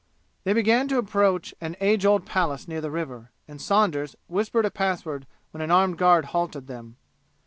They began to approach an age old palace near the river, and Saunders whispered a pass word when an armed guard halted them.